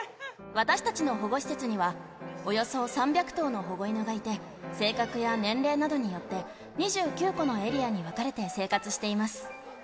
私たちの保護施設には、およそ３００頭の保護犬がいて、性格や年齢などによって、２９個のエリアに分かれて生活しています。